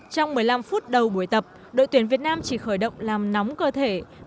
trong một mươi năm phút đầu buổi tập đội tuyển việt nam chỉ khởi động làm nóng cơ thể